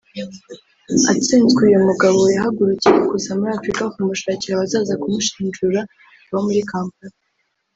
atsinzwe uyu mugabo yahagurukiye kuza mu Africa kumushakira abazaza kumushinjura baba Kampala